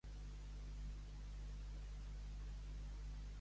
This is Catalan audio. Per ploure, venint-hi bé tothom, no plouria mai.